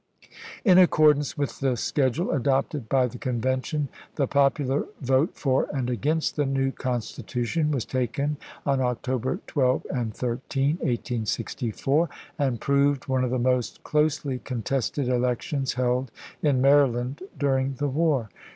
isel " m's. In accordance with the schedule adopted by the Convention the popular vote for and against the new constitution was taken on October 12 and 13, 1864, and proved one of the most closely contested elections held in Maryland during the war.